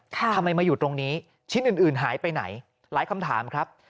ทำไมมาอยู่ตรงนี้ชิ้นอื่นหายไปไหนหลายคำถามครับ